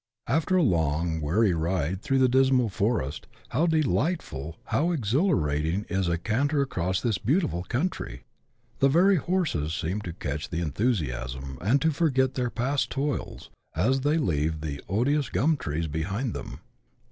After a long weary ride through the dismal forest, how de lightful, how exhilarating, is a canter across this beautiful country ! The very horses seem to catch the enthusiasm, and to forget their past toils, as they leave the odious gum trees behind them.